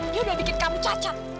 dia udah bikin kamu cacat